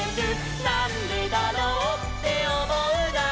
「なんでだろうっておもうなら」